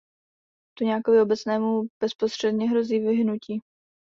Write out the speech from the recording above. Tuňákovi obecnému bezprostředně hrozí vyhynutí.